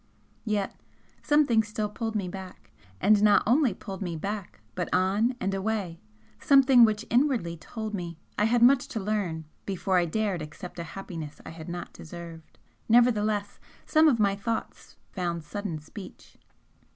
Yet something still pulled me back, and not only pulled me back, but on and away something which inwardly told me I had much to learn before I dared accept a happiness I had not deserved. Nevertheless some of my thoughts found sudden speech.